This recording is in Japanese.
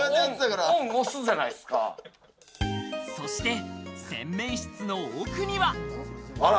そして洗面室の奥には。